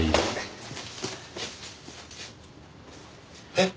えっ？